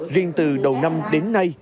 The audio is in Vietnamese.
riêng từ đầu năm đến nay